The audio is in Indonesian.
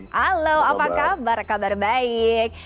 halo apa kabar kabar baik